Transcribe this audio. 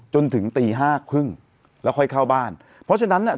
จนถึงตีห้าครึ่งแล้วค่อยเข้าบ้านเพราะฉะนั้นเนี่ย